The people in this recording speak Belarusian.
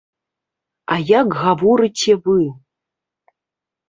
А як гаворыце вы?